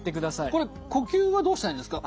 これ呼吸はどうしたらいいんですか？